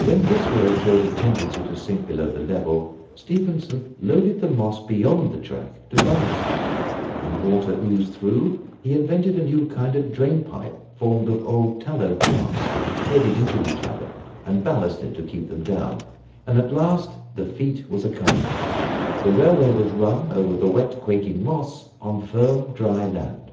When this road showed a tendency to sink below the level, Stephenson loaded the moss beyond the track to balance it; when water oozed through, he invented a new kind of drain pipe formed of old tallow casks, headed into each other, and ballasted to keep them down, and at last the feat was accomplished the railway was run over the wet quaking moss on firm dry land.